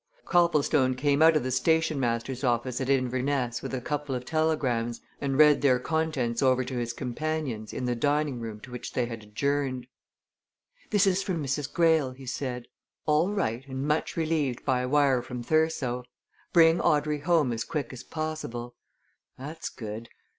Copplestone came out of the station master's office at Inverness with a couple of telegrams and read their contents over to his companions in the dining room to which they adjourned. "This is from Mrs. Greyle," he said. "'All right and much relieved by wire from Thurso. Bring Audrey home as quick as possible.' That's good!